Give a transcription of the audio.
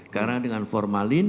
karena dengan formalin